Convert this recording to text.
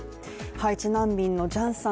ハイチ難民のジャンさん